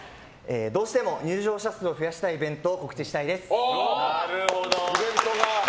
どうしても入場者数を増やしたいイベントを告知したいです。